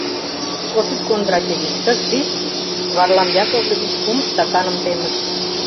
Осип Кондратьевич, тыш шич, — Варлам Яковлевич кум стаканым темыш.